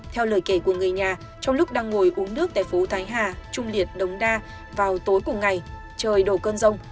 theo lời kể của người nhà trong lúc đang ngồi uống nước tại phố thái hà trung liệt đống đa vào tối cùng ngày trời đổ cơn rông